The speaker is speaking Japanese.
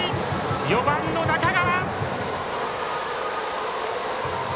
４番の中川。